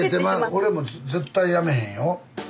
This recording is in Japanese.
俺も絶対やめへんよ。